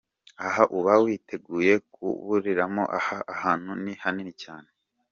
Aha uba witegeye kaburimbo Aha hantu ni hanini cyane.